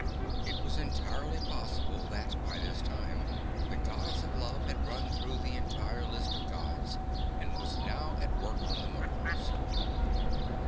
It was entirely possible that, by this time, the Goddess of Love had run through the entire list of Gods and was now at work on the mortals.